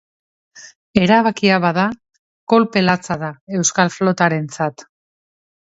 Erabakia, bada, kolpe latza da euskal flotarentzat.